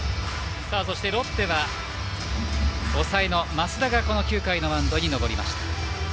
ロッテは抑えの益田が９回のマウンドに上がりました。